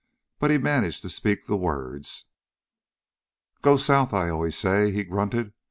But he managed to speak the words. "Go south, I always say," he grunted.